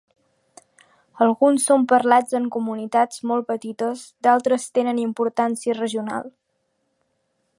Alguns són parlats en comunitats molt petites, d'altres tenen importància regional